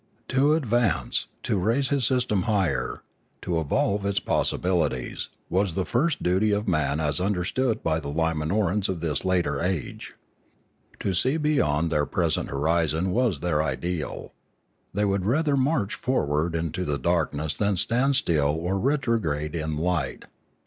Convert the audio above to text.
To advance, to raise his system higher, to evolve its possibilities, was the first duty of man as understood by the Limanorans of this later age. To see beyond their present horizon was their ideal.' They would rather march forward into the darkness than stand still or retrograde in light.